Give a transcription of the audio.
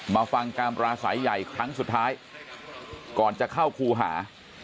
มาฟังการปราศัยใหญ่ครั้งสุดท้ายก่อนจะเข้าครูหา